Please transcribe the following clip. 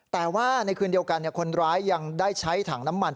แต่ว่าในคืนเดียวกันคนร้ายยังได้ใช้ถังน้ำมัน